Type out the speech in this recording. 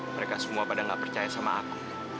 mereka semua pada nggak percaya sama aku